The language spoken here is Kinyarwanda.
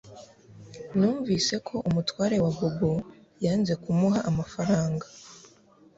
Numvise ko umutware wa Bobo yanze kumuha amafaranga